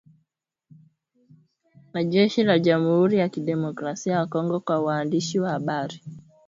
na jeshi la jamuhuri ya kidemokrasia ya Kongo kwa waandishi wa habari